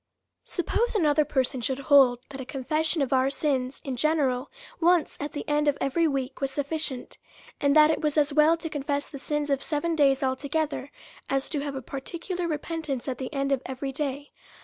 Suppose another person should hold that a confession of our sins in general, once at the end of every week, was sufficient; and that it was as well to confess the sins of seven days altogether, as to have a particular re pentance at the end of every day.